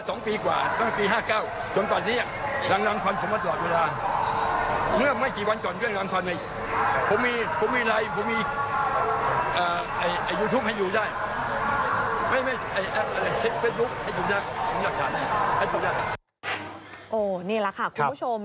นี่แหละค่ะคุณผู้ชม